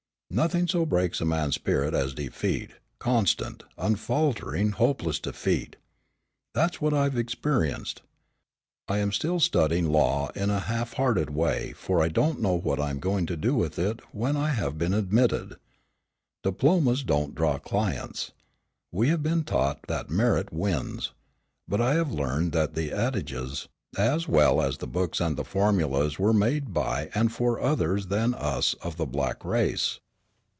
"Nothing so breaks a man's spirit as defeat, constant, unaltering, hopeless defeat. That's what I've experienced. I am still studying law in a half hearted way for I don't know what I am going to do with it when I have been admitted. Diplomas don't draw clients. We have been taught that merit wins. But I have learned that the adages, as well as the books and the formulas were made by and for others than us of the black race.